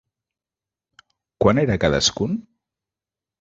Quant era cadascun?